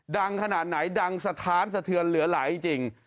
ดังขนาดไหนดังสะท้านสะเทือนเหลือหลายจริง